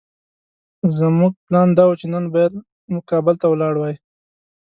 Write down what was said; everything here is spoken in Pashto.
زموږ پلان دا وو چې نن بايد موږ کابل ته ولاړ وای.